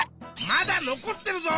まだ残ってるぞ！